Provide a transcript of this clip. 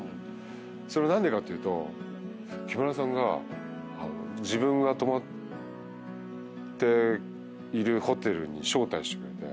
それは何でかっていうと木村さんが自分が泊まっているホテルに招待してくれて。